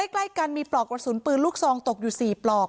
ใกล้กันมีปลอกกระสุนปืนลูกซองตกอยู่๔ปลอก